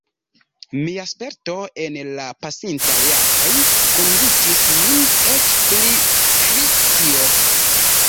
Mia sperto en la pasintaj jaroj konvinkis min eĉ pli pri tio.